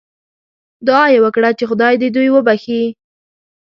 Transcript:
دعا یې وکړه چې خدای دې دوی وبخښي.